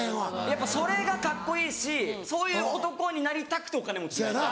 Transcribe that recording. やっぱそれがカッコいいしそういう男になりたくてお金持ちになりたい。